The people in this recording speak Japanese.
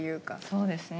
そうですね。